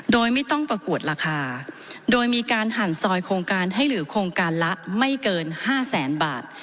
โดยไม่ต้องประกวดราคาโดยมีการหั่นซอยโครงการให้เหลือโครงการละไม่เกิน๕แสนบาท